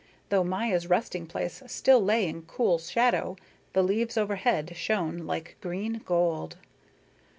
Though Maya's resting place still lay in cool shadow, the leaves overhead shone like green gold.